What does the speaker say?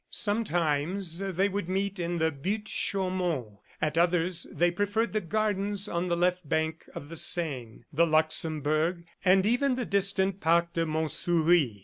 Sometimes they would meet in the Buttes Chaumont, at others they preferred the gardens on the left bank of the Seine, the Luxembourg, and even the distant Parc de Montsouris.